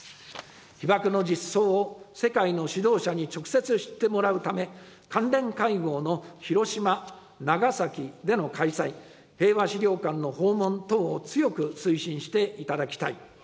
被爆の実相を世界の指導者に直接知ってもらうため、関連会合の広島、長崎での開催、平和資料館の訪問等を強く推進していただきたい。